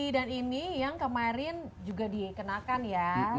dan ini yang kemarin juga dikenakan ya